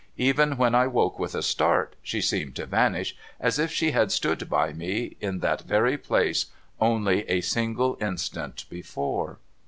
Even when I woke with a start, she seemed to vanish, as if she had stood by me in that very place only a single instant before.